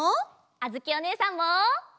あづきおねえさんも！